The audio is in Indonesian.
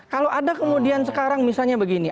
kalau ada kemudian sekarang misalnya begini